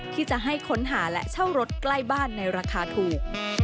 ที่จะให้ค้นหาและเช่ารถใกล้บ้านในราคาถูก